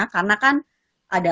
karena kan ada